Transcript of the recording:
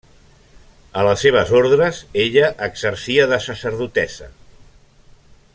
A les seves ordres, ella exercia de sacerdotessa.